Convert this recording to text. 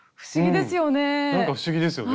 なんか不思議ですよね。